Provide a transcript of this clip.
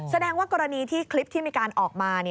แสดงว่ากรณีที่คลิปที่มีการออกมา